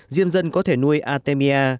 diêm dân có thể nuôi artemia